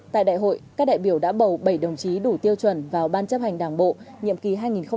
tại đại hội các đại biểu đã bầu bảy đồng chí đủ tiêu chuẩn vào ban chấp hành đảng bộ nhiệm kỳ hai nghìn hai mươi hai nghìn hai mươi năm